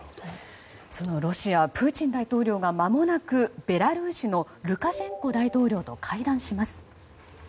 そのロシアプーチン大統領が、まもなくベラルーシのルカシェンコ大統領と会談します。